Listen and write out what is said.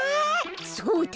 そうだ。